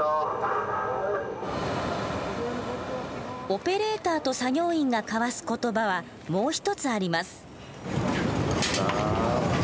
オペレーターと作業員が交わす言葉はもう１つあります。